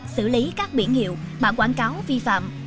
xử lý các biển hiệu bản quảng cáo vi phạm